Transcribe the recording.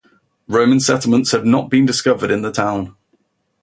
Roman settlements have not been discovered in the town.